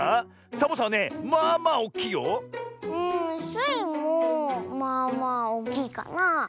スイもまあまあおおきいかな。